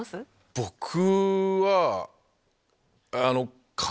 僕は。